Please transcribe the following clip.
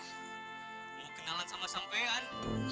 kan nyom kenalan sama sampean